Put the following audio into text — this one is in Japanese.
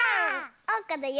おうかだよ！